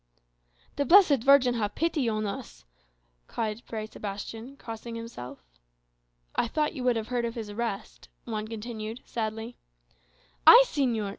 "The blessed Virgin have pity on us!" cried Fray Sebastian, crossing himself. "I thought you would have heard of his arrest," Juan continued, sadly. "I, señor!